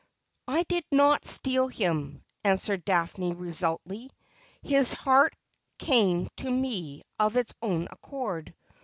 ' I did not steal him,' answered Daphne resolutely. ' His heart came to me of its own accord.